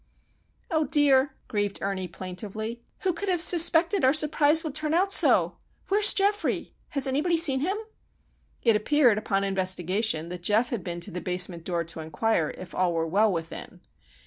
"Oh dear!" grieved Ernie, plaintively. "Who could have suspected our surprise would turn out so! Where's Geoffrey? Has anybody seen him?" It appeared upon investigation that Geof had been to the basement door to inquire "if all were well within."